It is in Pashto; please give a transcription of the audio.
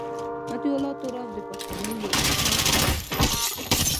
مطیع الله تراب د پښتنو یو وتلی شاعر دی.